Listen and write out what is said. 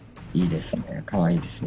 いいですね。